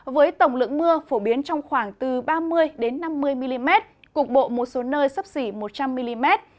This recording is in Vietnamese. với tổng lượng mưa phổ biến trong khoảng từ ba mươi năm mươi mm cục bộ một số nơi sấp xỉ một trăm linh mm